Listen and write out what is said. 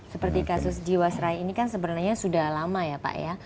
seperti kasus jiwasraya ini kan sebenarnya sudah lama ya pak ya